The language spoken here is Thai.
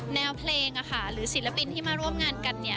แนวเพลงหรือศิลปินที่มาร่วมงานกันเนี่ย